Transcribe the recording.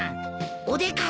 お出掛け？